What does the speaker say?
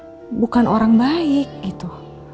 saya bukan orang baik gitu